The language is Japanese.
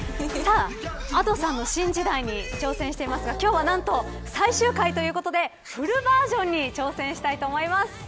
Ａｄｏさんの新時代に挑戦していますが今日は何と最終回ということでフルバージョンに挑戦したいと思います。